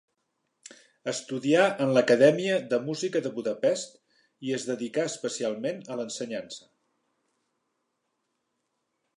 Estudià en l'Acadèmia de Música de Budapest i es dedicà especialment a l'ensenyança.